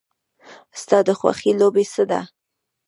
ستا د خوښې لوبې څه دي؟